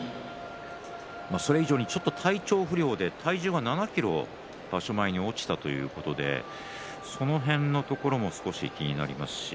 それ以上、体調不良で体重が７ｋｇ場所前に落ちたということでその辺のところも少し気になります。